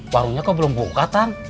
warungnya kok belum buka kan